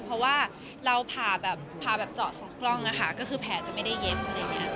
เพราะว่าเราผ่าแบบผ่าแบบเจาะสองกล้องนะคะก็คือแผลจะไม่ได้เย็บอะไรอย่างนี้